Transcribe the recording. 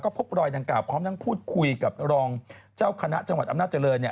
พบรอยดังกล่าพร้อมทั้งพูดคุยกับรองเจ้าคณะจังหวัดอำนาจเจริญ